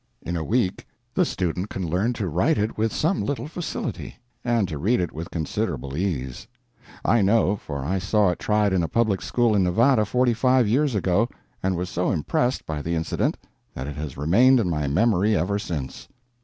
In a week the student can learn to write it with some little facility, and to read it with considerable ease. I know, for I saw it tried in a public school in Nevada forty five years ago, and was so impressed by the incident that it has remained in my memory ever since.